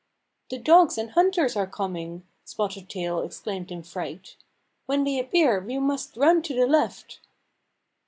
<"The dogs and hunters are coming," Spotted Tail exclaimed in fright. "When they appear we must run to the left."